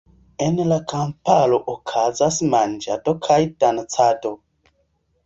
En la kamparo okazas manĝado kaj dancado.